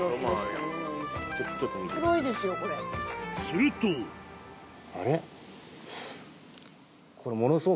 するとあれ？